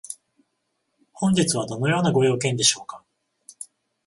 本日はどのようなご用件でしょうか？